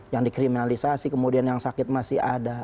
yang dikriminalisasi kemudian yang sakit masih ada